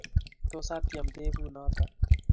Tos, atyem tebut noto